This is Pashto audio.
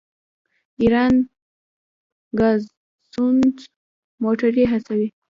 ایران ګازسوز موټرې هڅوي.